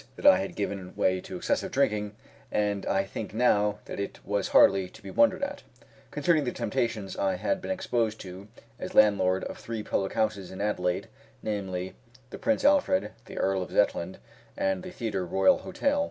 that I had given way to excessive drinking and I think now that it was hardly to be wondered at, considering the temptations I had been exposed to as landlord of three public houses in Adelaide namely, the Prince Alfred, the Earl of Zetland, and the Theatre Royal Hotel.